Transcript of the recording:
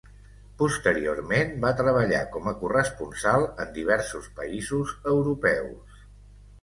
Posteriorment, va treballar com a corresponsal en diversos països europeus.